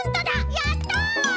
やった！